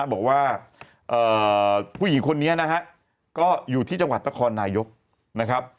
บอกว่าผู้หญิงคนนี้นะฮะก็อยู่ที่จังหวัดนครนายกนะครับ